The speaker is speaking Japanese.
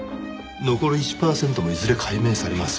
残り１パーセントもいずれ解明されます。